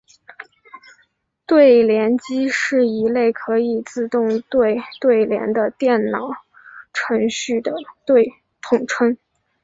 对联机是一类可以自动对对联的电脑程序的统称。